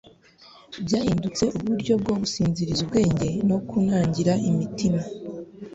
byahindutse uburyo bwo gusinziriza ubwenge no kunangira imitima.